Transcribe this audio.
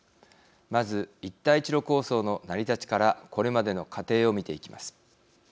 まず一帯一路構想の成り立ちからこれまでの過程を見ていきます。